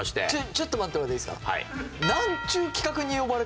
ちょっと待ってもらっていいですか？